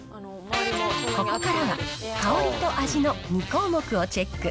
ここからは、香りと味の２項目をチェック。